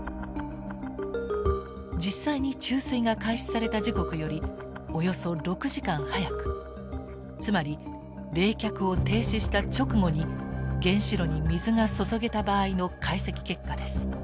実際に注水が開始された時刻よりおよそ６時間早くつまり冷却を停止した直後に原子炉に水が注げた場合の解析結果です。